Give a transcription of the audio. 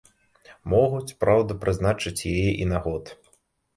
Могуць, праўда, прызначыць яе і на год.